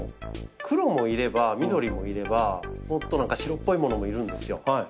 黒もいれば緑もいれば白っぽいものもいるんですよ。